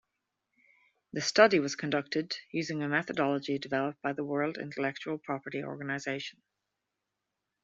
The study was conducted using a methodology developed by the World Intellectual Property Organization.